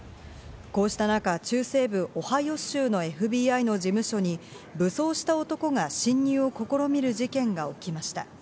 こうした中、中西部オハイオ州のＦＢＩの事務所に武装した男が侵入を試みる事件が起きました。